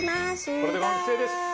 これで完成です！